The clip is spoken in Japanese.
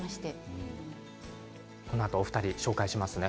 このあとお二人を紹介しますね。